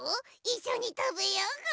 いっしょにたべようぐ。